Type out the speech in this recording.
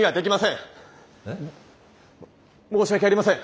申し訳ありません。